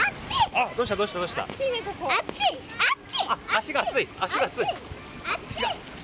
足が熱い？